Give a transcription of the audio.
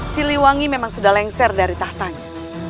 si liwangi memang sudah lengser dari tahtanya